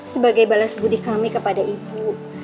sebagai balas budi kami kepada ibu